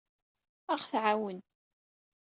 Ad aɣ-tɛawen.